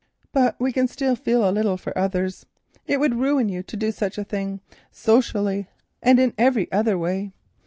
But we can still feel a little for others. It would ruin you to do such a thing, socially and in every other way.